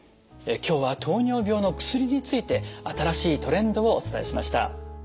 今日は糖尿病の薬について新しいトレンドをお伝えしました。